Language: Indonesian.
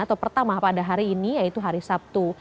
atau pertama pada hari ini yaitu hari sabtu